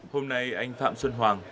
hôm nay anh phạm xuân hoàng